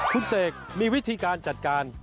คุณเสกมีวิธีการจัดการ